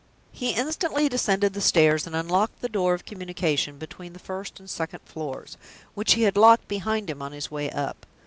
He instantly descended the stairs, and unlocked the door of communication between the first and second floors, which he had locked behind him on his way up.